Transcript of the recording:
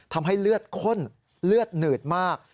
ทำให้เลือดข้นเลือดหนืดมาก